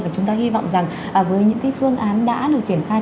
và chúng ta hy vọng rằng với những phương án đã được triển khai